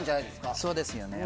そうですよね。